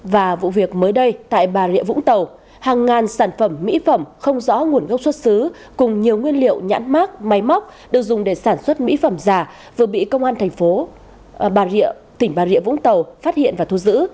và vụ việc mới đây tại bà rịa vũng tàu hàng ngàn sản phẩm mỹ phẩm không rõ nguồn gốc xuất xứ cùng nhiều nguyên liệu nhãn mát máy móc được dùng để sản xuất mỹ phẩm giả vừa bị công an thành phố bà rịa tỉnh bà rịa vũng tàu phát hiện và thu giữ